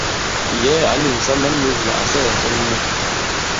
Yɛ̌ɛ̀ ǎ lèŋsa man nīk lā à sɛɛ̀ ǹsɔn mwe.